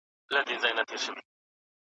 زه به سبا کور پاک کړم.